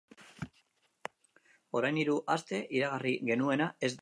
Orain hiru aste iragarri genuena ez da bete.